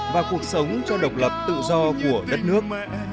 và cuộc sống cho độc lập tự do của đất nước